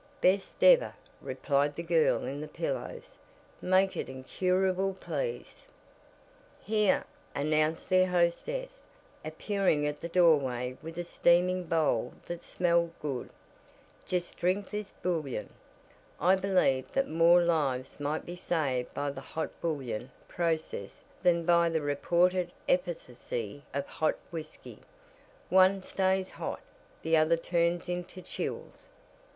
"Best ever," replied the girl in the pillows. "Make it incurable please." "Here," announced their hostess, appearing at the door with a steaming bowl that smelled good. "Just drink this bouillon. I believe that more lives might be saved by the hot bouillon process than by the reported efficacy of hot whisky. One stays hot, the other turns into chills.